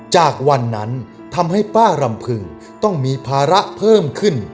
จากวันนั้นทำให้ป้ารำพึงต้องมีภาระเพิ่มขึ้น